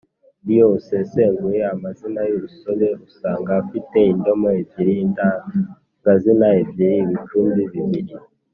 iyo usesenguye amazina y’urusobe usanga afite indomo ebyiri, indangazina ebyiri, ibicumbi bibiri